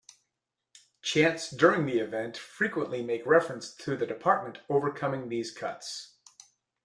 Chants during the event frequently make reference to the department overcoming these cuts.